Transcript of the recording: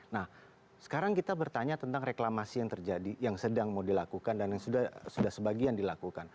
nah sekarang kita bertanya tentang reklamasi yang terjadi yang sedang mau dilakukan dan yang sudah sebagian dilakukan